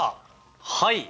はい！